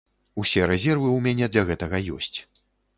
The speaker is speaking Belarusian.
Усе рэзервы ў мяне для гэтага ёсць.